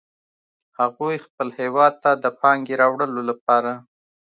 هغوی خپل هیواد ته د پانګې راوړلو لپاره